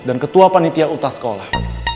dan ketua panitia ulta sekolah